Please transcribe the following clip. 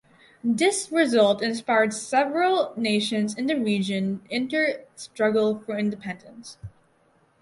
This result inspired several nations in the region in their struggle for independence.